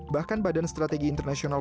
bahkan badan strategi internasional